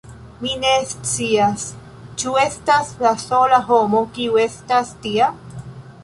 Mi ne scias… Ĉu estas la sola homo, kiu estas tia?